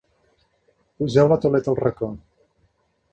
Poseu la tauleta al racó.